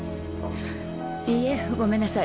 いいえごめんなさい。